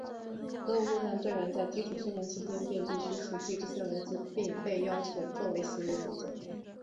所有陆战队员在基础训练期间便必须熟记这些文字并被要求作为行为准则。